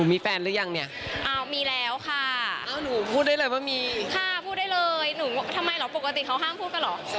ไม่ได้พูดได้เลยทำไมหรอกปกติเขาห้ามพูดกันเหรอ